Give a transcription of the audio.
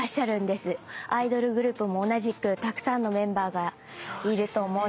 アイドルグループも同じくたくさんのメンバーがいると思うんですが。